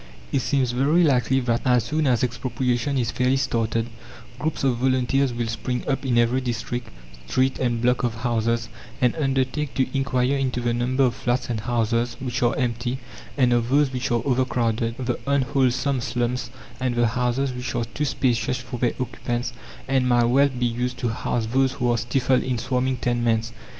It seems very likely that, as soon as expropriation is fairly started, groups of volunteers will spring up in every district, street, and block of houses, and undertake to inquire into the number of flats and houses which are empty and of those which are overcrowded, the unwholesome slums, and the houses which are too spacious for their occupants and might well be used to house those who are stifled in swarming tenements.